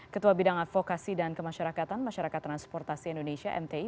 ketua bidang advokasi dan kemasyarakatan masyarakat transportasi indonesia mti